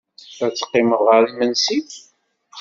Ad teqqimeḍ ɣer imensi?